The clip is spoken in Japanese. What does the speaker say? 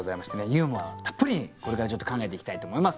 ユーモアたっぷりにこれからちょっと考えていきたいと思います。